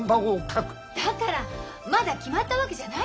だからまだ決まったわけじゃないのよ。